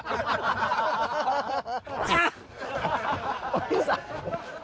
お兄さん！